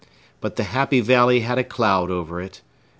But the Happy Valley had a cloud over it.